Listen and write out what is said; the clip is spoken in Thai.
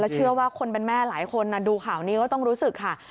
เชื่อว่าคนเป็นแม่หลายคนดูข่าวนี้ก็ต้องรู้สึกค่ะ